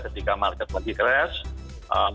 ketika market lagi crash